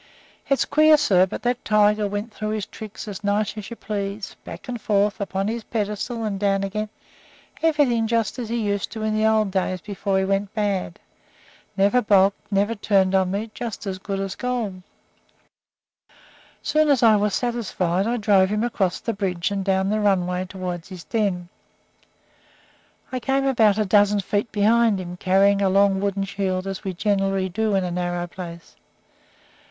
It's queer, sir, but that tiger went through his tricks as nice as you please, back and forth, up on his pedestal and down again, everything just as he used to do in the old days before he went bad. Never balked, never turned on me; just as good as gold. [Illustration: "RAJAH'S" ATTACK UPON BONAVITA IN THE RUNWAY.] "Soon as I was satisfied I drove him across the bridge and down the runway toward his den. I came about a dozen feet behind him, carrying a long wooden shield, as we generally do in a narrow space.